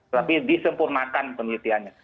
tapi disempurnakan penelitiannya